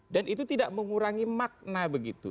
dan itu tidak mengurangi makna begitu